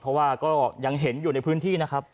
เพราะว่าก็ยังเห็นอยู่ในพื้นที่นะครับ